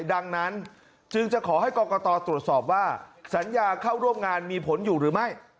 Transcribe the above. ดังนั้นจึงจะขอให้กรกตตรวจสอบว่าสัญญาเข้าร่วมงานมีผลอยู่หรือไม่